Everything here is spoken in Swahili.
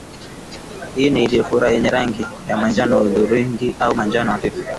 Ini iliyofura yenye rangi ya manjano hudhurungi au manjano hafifu